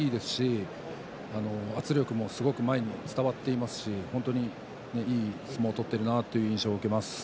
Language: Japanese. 本当に踏み込みもいいですし圧力も、すごく前に伝わっていますし本当にいい相撲を取っているなという印象を受けます。